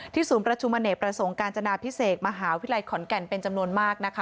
ศูนย์ประชุมอเนกประสงค์การจนาพิเศษมหาวิทยาลัยขอนแก่นเป็นจำนวนมากนะคะ